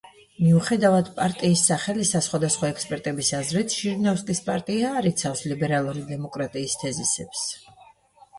მიუხედავად პარტიის სახელისა, სხვადასხვა ექსპერტების აზრით ჟირინოვსკის პარტია არ იცავს ლიბერალური დემოკრატიის თეზისებს.